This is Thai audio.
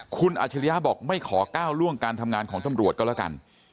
คุณอาชิริยะบอกไม่ขอก้าวล่วงการทำงานของตำรวจก็แล้วกัน